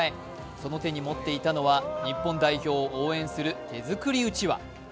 その手に持っていたのは日本代表を応援する手作りうちわ。